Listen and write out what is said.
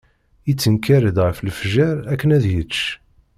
Yettenkar-d ɣef lefjer akken ad yečč.